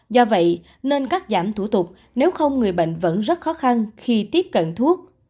do vậy nên cắt giảm thủ tục nếu không người bệnh vẫn rất khó khăn khi tiếp cận thuốc